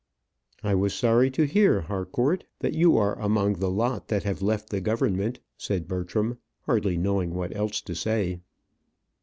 "I was sorry to hear, Harcourt, that you are among the lot that have left the Government," said Bertram, hardly knowing what else to say.